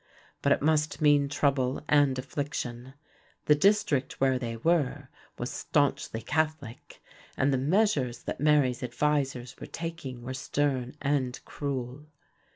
But it must mean trouble and affliction; the district where they were was staunchly Catholic, and the measures that Mary's advisers were taking were stern and cruel.